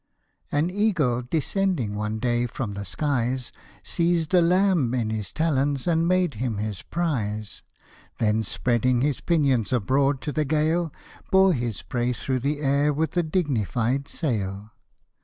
AN eagle descending one day from the skies, Seized a lamb in his talons, and made him his prize : Then spreading his pinions abroad to the gale, Bore his prey through the air with a dignified sail.